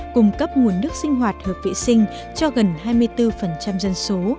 cung cấp nguồn nước sinh hoạt hợp vệ sinh cho gần hai mươi bốn dân số